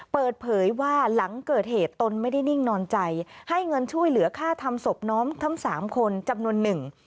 เปิดเผยว่าหลังเกิดเหตุตนไม่ได้นิ่งนอนใจให้เงินช่วยเหลือค่าทำศพน้องทั้งสามคนจำนวนหนึ่ง